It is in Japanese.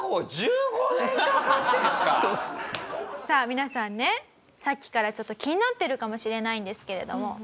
さあ皆さんねさっきからちょっと気になってるかもしれないんですけれども。